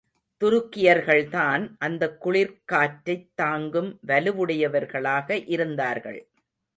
துருக்கியர்கள்தான் அந்தக் குளிர்க்காற்றைத் தாங்கும் வலுவுடையவர்களாக இருந்தார்கள்.